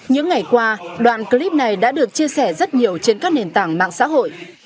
những ngày qua đoạn clip này đã được chia sẻ rất nhiều trên các nền tảng mạng xã hội